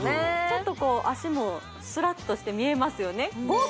ちょっとこう足もスラッとして見えますよね